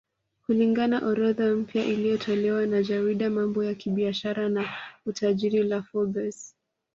Kulingana orodha mpya iliyotolewa na jarida mambo ya kibiashara na utajiri la Forbes